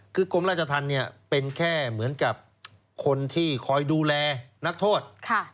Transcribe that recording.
คือกรมราชธรรมเนี่ยเป็นแค่เหมือนกับคนที่คอยดูแลนักโทษ